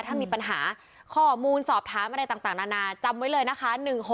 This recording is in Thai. ถ้ามีปัญหาข้อมูลสอบถามอะไรต่างนานาจำไว้เลยนะคะ๑๖๖๘๑๖๖๙๑๓๓๐๑๔๒๒